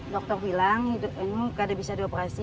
dokter bilang ini tidak bisa dioperasi